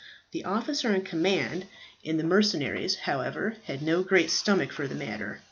The officer in command of the mercenaries, however, had no great stomach for the matter.